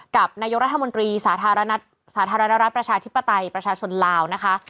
กับนายกรัฐมนตรีสาธารณสาธารณรัฐประชาธิปไตยประชาชนลาวนะคะ